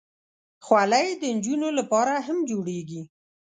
خولۍ د نجونو لپاره هم جوړېږي.